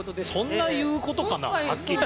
そんな言うことかなはっきり。